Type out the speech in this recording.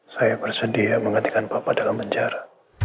saya bersedia mengantikan papa dalam penjara